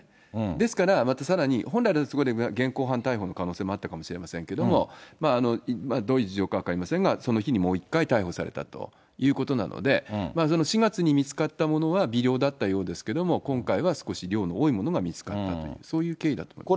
ですからまたさらに、本来だとそこで現行犯逮捕の可能性もあったかもしれませんけど、どういう事情か分かりませんが、その日にもう一回逮捕されたということなので、その４月に見つかったものは微量だったようですけど、今回は少し量の多いものが見つかったという、そういう経緯だと思います。